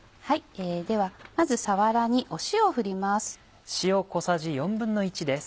ではまずさわらに塩を振ります。